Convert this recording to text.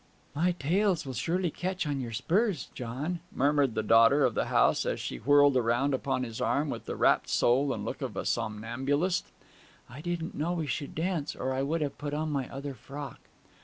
'My tails will surely catch in your spurs, John!' murmured the daughter of the house, as she whirled around upon his arm with the rapt soul and look of a somnambulist. 'I didn't know we should dance, or I would have put on my other frock.'